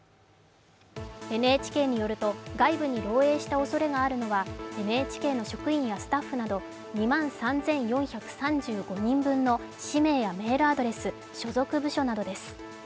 ＮＨＫによると外部に漏えいしたおそれがあるのはＮＨＫの職員やスタッフなど２万３４３５人分の氏名やメールアドレス、所属部署などです。